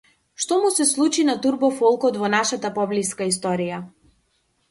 Што му се случи на турбо-фолкот во нашата поблиска историја?